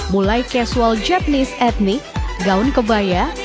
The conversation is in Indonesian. mulai casual japanese ethnic gaun kebayang